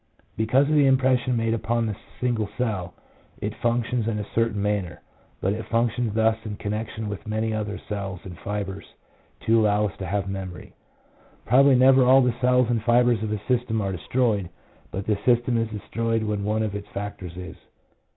Because of the impression made upon the single cell it func tions in a certain manner, but it functions thus in connection with many other cells and fibres to allow us to have memory. Probably never all the cells and fibres of a system are destroyed, but the system is destroyed when one of its factors is.